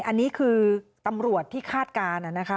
อันนี้คือตำรวจที่คาดการณ์นะคะ